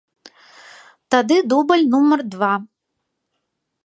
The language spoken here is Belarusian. Тады дубль нумар два.